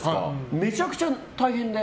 めちゃくちゃ大変で。